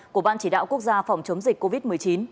của ban chỉ đạo quốc gia phòng chống dịch covid một mươi chín